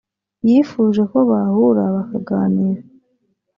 yifuje ko bahura bakaganira